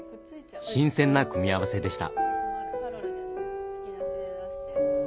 新鮮な組み合わせでした。